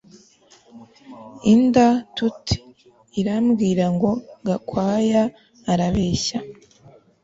Inda tut irambwira ngo Gakwaya arabeshya